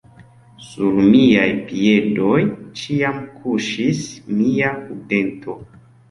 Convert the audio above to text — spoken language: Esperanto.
Sur miaj piedoj ĉiam kuŝis mia hundeto.